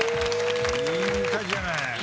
いい歌じゃない。